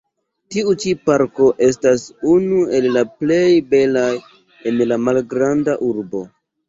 Tiu ĉi parko estas unu el la plej belaj en la Malgranda urbo.